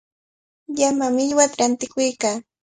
Llama millwata rantikuykaa.